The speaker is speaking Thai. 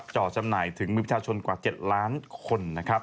จ่อจำหน่ายถึงมือประชาชนกว่า๗ล้านคนนะครับ